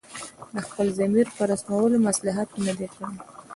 د خپل ضمیر په رسولو مصلحت نه دی کړی.